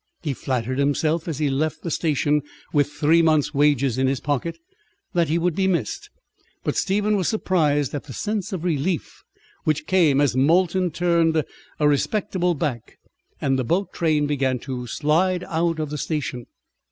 He flattered himself, as he left the station with three months' wages in his pocket, that he would be missed; but Stephen was surprised at the sense of relief which came as Molton turned a respectable back, and the boat train began to slide out of the station.